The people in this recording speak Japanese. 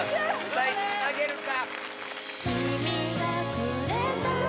歌いつなげるか？